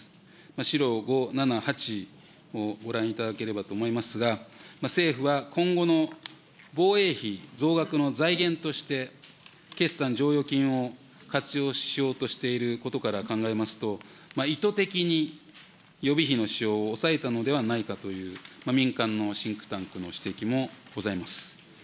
資料５、７、８をご覧いただければと思いますが、政府は今後の防衛費増額の財源として、決算剰余金を活用しようとしていることから考えますと、意図的に予備費の使用を抑えたのではないかという民間のシンクタンクの指摘もございます。